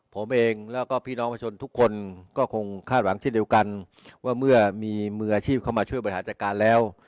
ผมเองแล้วก็พี่น้องประชาชนทุกคนก็คงคาดหวังเช่นเดียวกันว่าเมื่อมีมืออาชีพเข้ามาช่วยบริหารจัดการแล้ว